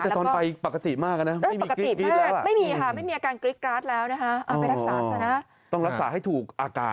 แต่ตอนไปปกติมาก